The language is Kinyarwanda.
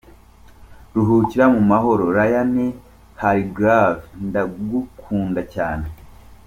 Ruhukira mu mahoro Ryan Hargrave ndagukunda cyane.